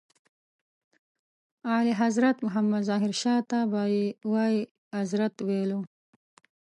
اعلیحضرت محمد ظاهر شاه ته به یې وایي اذرت ویلو.